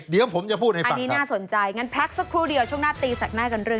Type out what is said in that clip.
เดี๋ยวผมจะพูดให้ฟังครับ